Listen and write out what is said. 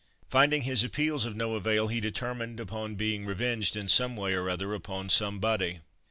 Finding his appeals of no avail he determined upon being revenged in some way or other upon somebody.